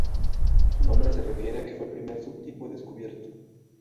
Su nombre se refiere a que fue el primer subtipo descubierto.